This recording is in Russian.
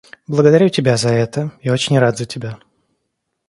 Благодарю тебя за это и очень рад за тебя.